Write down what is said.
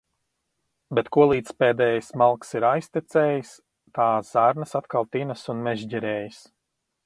Bet kolīdz pēdējais malks ir aiztecējis, tā zarnas atkal tinas un mežģerējas.